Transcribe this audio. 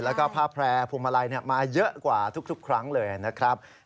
แล้วก็ผ้าแพร่พวงมาลัยมาเยอะกว่าทุกครั้งเลยนะครับ